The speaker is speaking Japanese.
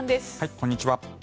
こんにちは。